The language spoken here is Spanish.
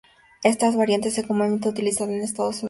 Esta variante es la comúnmente utilizada en Estados Unidos.